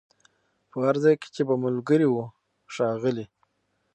پر هر ځای چي به ملګري وه ښاغلي